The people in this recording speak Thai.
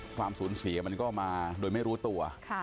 ความสูญเสียมันก็มาโดยไม่รู้ตัว